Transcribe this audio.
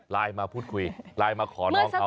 ไลน์มาพูดคุยไลน์มาขอน้องเขา